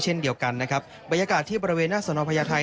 เช่นเดียวกันนะครับบรรยากาศที่บริเวณหน้าสนพญาไทย